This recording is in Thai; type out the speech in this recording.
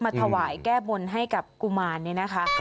ถวายแก้บนให้กับกุมารเนี่ยนะคะ